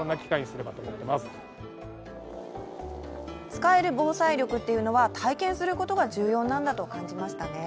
使える防災力というのは体験することが重要なんだと感じましたね。